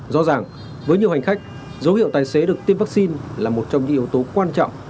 rõ ràng với nhiều hành khách dấu hiệu tài xế được tiêm vaccine là một trong những yếu tố quan trọng